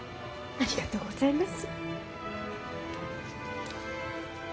ありがとうございます。